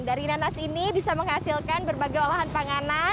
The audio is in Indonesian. dari nanas ini bisa menghasilkan berbagai olahan panganan